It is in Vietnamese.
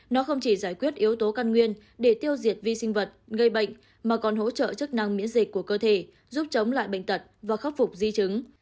nó không chỉ giải quyết yếu tố căn nguyên để tiêu diệt vi sinh vật gây bệnh mà còn hỗ trợ chức năng miễn dịch của cơ thể giúp chống lại bệnh tật và khắc phục di chứng